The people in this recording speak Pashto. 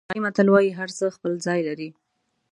افریقایي متل وایي هرڅه خپل ځای لري.